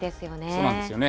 そうなんですよね。